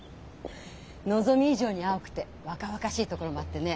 のぞみ以上に青くて若々しいところもあってね